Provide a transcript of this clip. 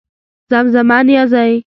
زمزمه نيازۍ